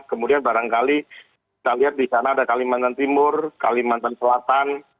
kemudian barangkali kita lihat di sana ada kalimantan timur kalimantan selatan